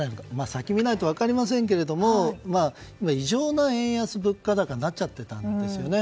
先を見ないと分かりませんが異常な円安、物価高になっちゃってたんですよね。